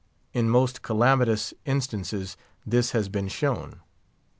In most calamitous instances this has been shown.